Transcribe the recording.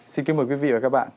xin kính mời quý vị và các bạn